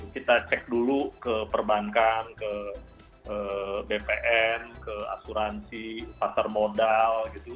kita cek dulu ke perbankan ke bpn ke asuransi pasar modal gitu